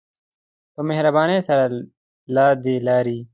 په مهربانی سره له دی لاری.